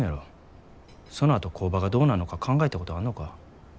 そのあと工場がどうなんのか考えたことあんのか？